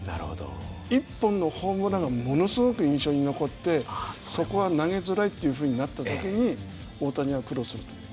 １本のホームランがものすごく印象に残ってそこは投げづらいというふうになった時に大谷は苦労すると思う。